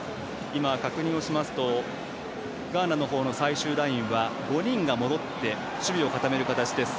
確認をしますとガーナの方の最終ラインは５人が戻って守備を固める形です。